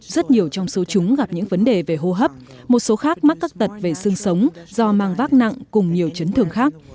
rất nhiều trong số chúng gặp những vấn đề về hô hấp một số khác mắc các tật về xương sống do mang vác nặng cùng nhiều chấn thương khác